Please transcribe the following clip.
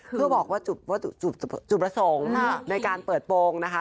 เพื่อบอกว่าจุดประสงค์ในการเปิดโปรงนะคะ